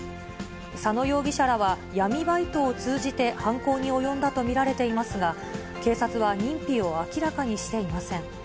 佐野容疑者らは、闇バイトを通じて犯行に及んだと見られていますが、警察は認否を明らかにしていません。